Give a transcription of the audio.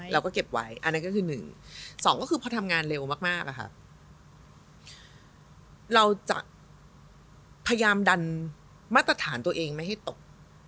เราก็เก็บไว้อันนั้นก็คือ๑๒ก็คือพอทำงานเร็วมากอะค่ะเราจะพยายามดันมาตรฐานตัวเองไม่ให้ตก